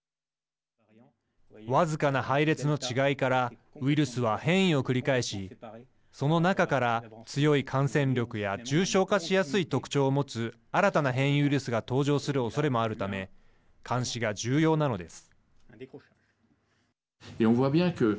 僅かな配列の違いからウイルスは変異を繰り返しその中から強い感染力や重症化しやすい特徴を持つ新たな変異ウイルスが登場するおそれもあるため監視が重要なのです。